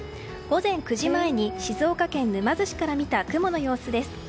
午前９時前に静岡県沼津市から見た雲の様子です。